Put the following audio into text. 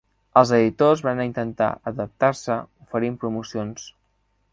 Els editors van intentar adaptar-se oferint promocions.